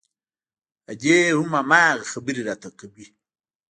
ادې هم هماغه خبرې راته کوي.